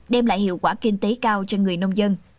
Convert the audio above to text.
đem lại hiệu quả kinh tế cao cho người nông dân